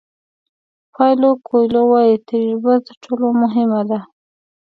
پاویلو کویلو وایي تجربه تر ټولو مهمه ده.